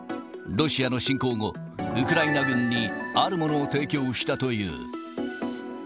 ロシアの侵攻後、ウクライナ軍にあるものを提供したという。